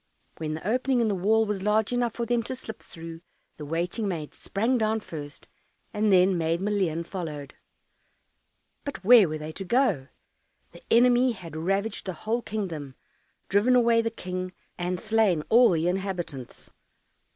When the opening in the wall was large enough for them to slip through, the waiting maid sprang down first, and then Maid Maleen followed. But where were they to go? The enemy had ravaged the whole kingdom, driven away the King, and slain all the inhabitants.